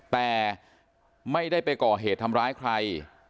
แต่ไม่ได้ไปก่อเหตุทำร้ายใคร